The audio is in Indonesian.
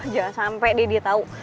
jangan sampe deh dia tau